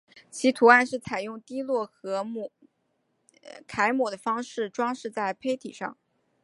其图案是采用滴落和揩抹的方法装饰在坯体上。